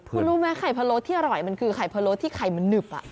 คุณรู้ไหมไข่พะโล้ที่อร่อยมันคือไข่พะโล้ที่ไข่มันหนึบ